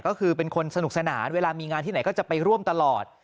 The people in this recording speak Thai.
ก็คือเป็นคนสนุกสนานเวลามีงานที่ไหนก็จะไปร่วมตลอด